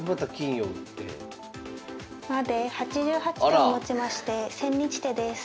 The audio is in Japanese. ８８手をもちまして千日手です。